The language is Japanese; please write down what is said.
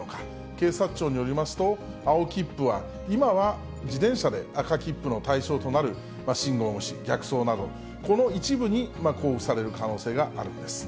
警察庁によりますと、青切符は、今は自転車で赤切符の対象となる信号無視、逆走など、この一部に交付される可能性があるんです。